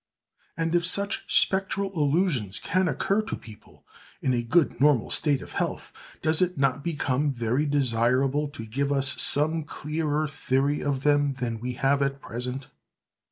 And if such spectral illusions can occur to people in a good normal state of health, does it not become very desirable to give us some clearer theory of them than we have at present?